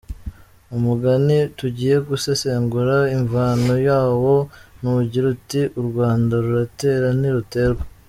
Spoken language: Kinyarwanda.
Umugani tugiye gusesengura imvano yawo ni ugira uti : “U Rwanda ruratera ntiruterwa.